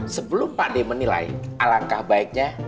sebelum pak de menilai alangkah baiknya